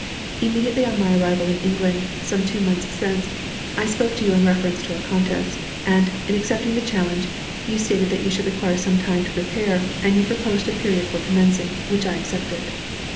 Immediately on my arrival in England, some two months since, I spoke to you in reference to our contest, and, in accepting the challenge, you stated that you should require some time to prepare, and you proposed a period for commencing, which I accepted.